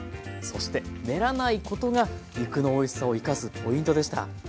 そして練らないことが肉のおいしさを生かすポイントでした。